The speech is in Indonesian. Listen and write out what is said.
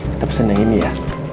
kita pesan yang ini ya